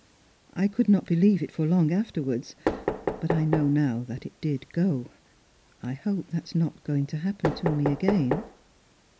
I could not believe it for long afterwards, but I know now that it did go. I hope that is not going to happen to me again."